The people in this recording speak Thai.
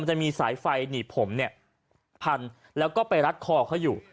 จะมีสายไฟหนีบผมเนี่ยพันแล้วก็ไปรัดคอเขาอยู่